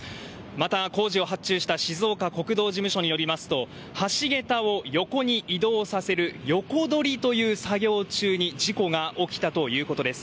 また工事を発注した静岡国道事務所によりますと橋桁を横に移動させる横取りという作業中に事故が起きたということです。